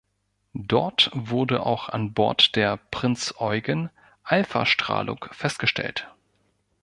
Dort wurde auch an Bord der "Prinz Eugen" Alphastrahlung festgestellt.